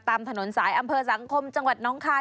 ตามถนนสายอำเภอสังคมจังหวัดน้องคาย